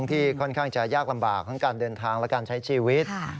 ที่ค่อนข้างจะยากลำบากทั้งการเดินทางและการใช้ชีวิต